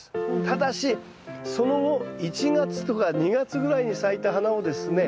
ただしその後１月とか２月ぐらいに咲いた花をですね